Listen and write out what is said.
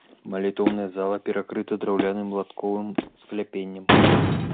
Малітоўная зала перакрыта драўляным латковым скляпеннем.